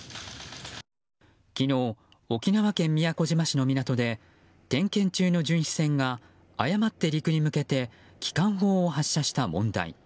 昨日、沖縄県宮古島市の港で点検中の巡視船が誤って陸に向けて機関砲を発射した問題。